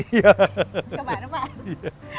ke mana pak